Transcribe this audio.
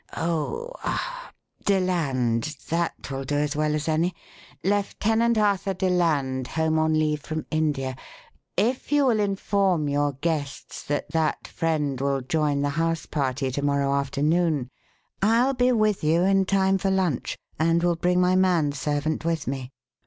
Oh, ah! Deland, that will do as well as any Lieutenant Arthur Deland, home on leave from India if you will inform your guests that that friend will join the house party to morrow afternoon, I'll be with you in time for lunch, and will bring my man servant with me."